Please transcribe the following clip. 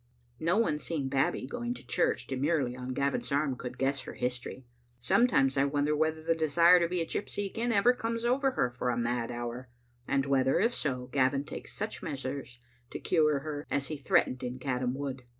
No one seeing Babbie going to church demurely on Gavin's arm could guess her history. Sometimes I wonder whether the desire to be a gypsy again ever comes over her for a mad hour, and whether, if so, Gavin takes such measures to cure her as he threatened in Caddam Wood.